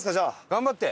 頑張って！